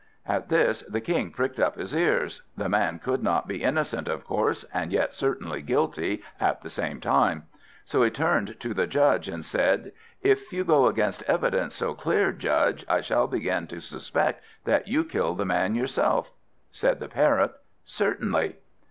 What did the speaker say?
At this the King pricked up his ears. The man could not be innocent of course, and yet certainly guilty, at the same time. So he turned to the Judge and said "If you go against evidence so clear, Judge, I shall begin to suspect that you killed the man yourself." Said the Parrot, "Certainly."